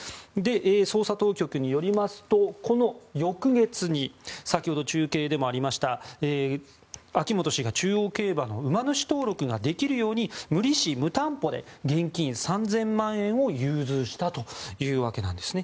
捜査当局によりますとこの翌月に先ほど中継でもありました秋本氏が中央競馬の馬主登録ができるように無利子・無担保で現金３０００万円を融通したというわけです。